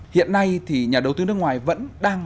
hiện nay thì nhà đầu tư nước ngoài vẫn đang